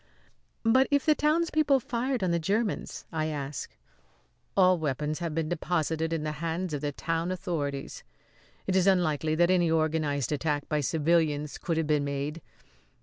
"But if the townspeople fired on the Germans?" I asked. "All weapons had been deposited in the hands of the town authorities. It is unlikely that any organised attack by civilians could have been made.